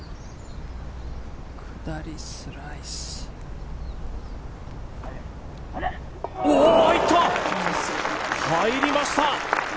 下りスライス入った、入りました！